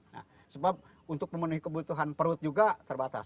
nah sebab untuk memenuhi kebutuhan perut juga terbatas